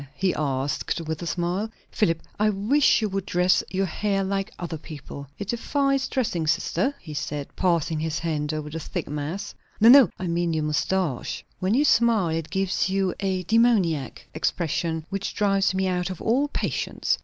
he asked, with a smile. "Philip, I wish you would dress your hair like other people." "It defies dressing, sister," he said, passing his hand over the thick mass. "No, no, I mean your moustache. When you smile, it gives you a demoniac expression, which drives me out of all patience.